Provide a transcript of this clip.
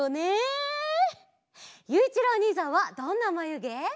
ゆういちろうおにいさんはどんなまゆげ？